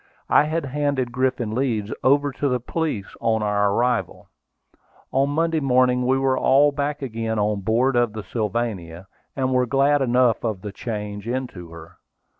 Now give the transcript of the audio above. I had handed Griffin Leeds over to the police on our arrival. On Monday morning we were all back again on board of the Sylvania, and were glad enough of the change into her.